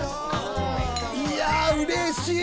いやうれしい！